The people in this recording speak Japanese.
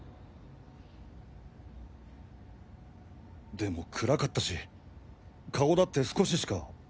でも暗かったし顔だって少ししか。